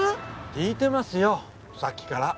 聞いてますよさっきから。